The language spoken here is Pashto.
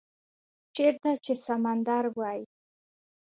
- چیرته چې سمندر وی،